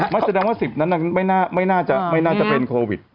แม้แสดงว่า๑๐นั้นไม่น่าจะเป็นโควิด